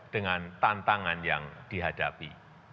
dengan tantangan yang dihadapi